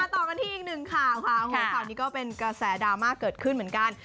ต่อกันที่อีกหนึ่งข่าวค่ะข่าวนี้ก็เป็นกระแสดราม่าเกิดขึ้นเหมือนกัน